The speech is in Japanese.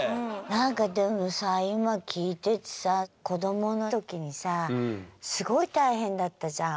何かでもさ今聞いててさ子どもの時にさすごい大変だったじゃん。